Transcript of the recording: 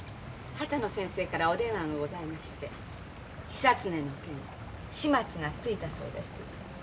秦野先生からお電話がございまして久恒の件始末がついたそうです。